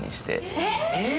えっ！？